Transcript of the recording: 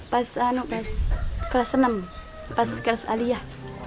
pas kelas enam pas kelas aliyah